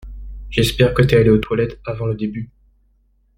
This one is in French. J'espère que t'es allé aux toilettes avant le début.